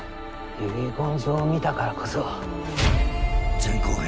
遺言状を見たからこそ。